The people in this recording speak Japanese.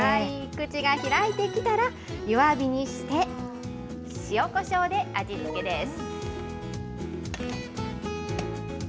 口が開いてきたら、弱火にして、塩こしょうで味付けです。